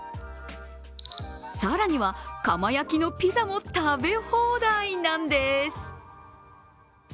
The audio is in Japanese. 更には釜焼きのピザも食べ放題なんです。